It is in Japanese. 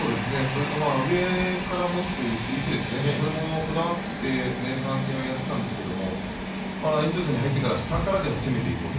上から持つという釣り手もこだわって前半戦はやっていたんですが延長戦に入ってから下からでも攻めていこうと。